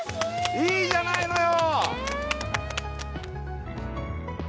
いいじゃないのよ！